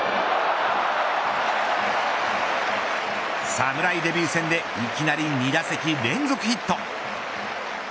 侍デビュー戦でいきなり２打席連続ヒット。